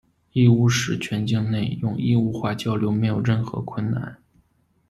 义乌市全境内用义乌话交流没有任何困难。